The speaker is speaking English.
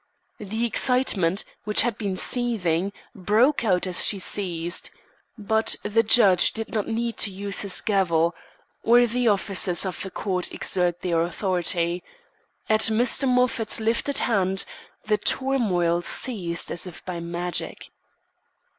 The excitement, which had been seething, broke out as she ceased; but the judge did not need to use his gavel, or the officers of the court exert their authority. At Mr. Moffat's lifted hand, the turmoil ceased as if by magic.